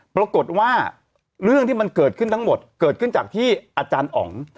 ปรากฏว่าเรื่องที่มันเกิดขึ้นทั้งหมดเกิดขึ้นจากที่อาจารย์อ๋อง